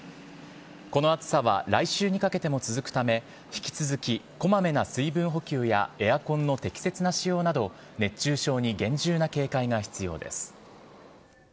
この暑さは来週にかけても続くため、引き続きこまめな水分補給やエアコンの適切な使用など、熱中症に厳重な警戒が必要です。